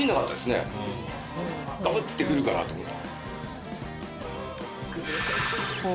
ガブッてくるかなと思った。